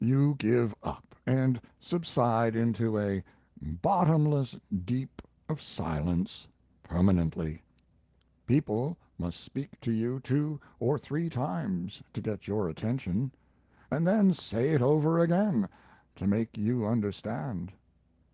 You give up, and subside into a bottomless deep of silence, permanently; people must speak to you two or three times to get your attention, and then say it over again to make you understand.